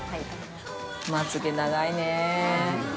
まつげ長いねえ。